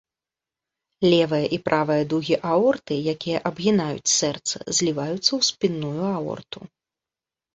Левая і правая дугі аорты, якія абгінаюць сэрца, зліваюцца ў спінную аорту.